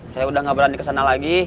saya udah gak berani kesana lagi